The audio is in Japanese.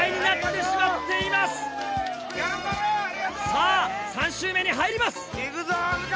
さぁ３周目に入ります！